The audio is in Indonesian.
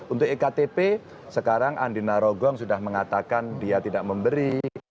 untuk iktp sekarang andina rogong sudah mengatakan dia tidak memberi